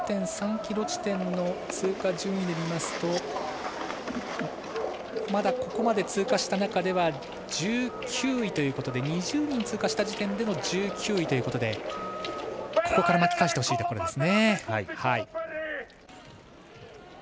６．３ｋｍ地点の通過順位で見ますとここまで通過した中では１９位ということで２０人通過した時点での１９位でここから巻き返してほしいところ。